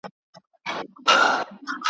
بیا یې پورته تر اسمانه واویلا وي `